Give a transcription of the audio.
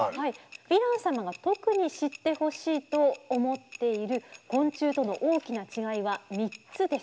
ヴィラン様が特に知ってほしいと思っている昆虫との大きな違いは３つです。